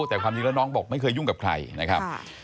แต่ความจริงแล้วน้องบอกไม่เคยยุ่งกับใครนะครับ